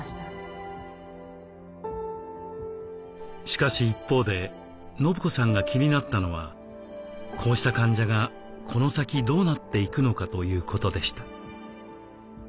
しかし一方で伸子さんが気になったのはこうした患者がこの先どうなっていくのかということでした。